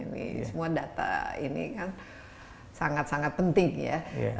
ini semua data ini kan sangat sangat penting ya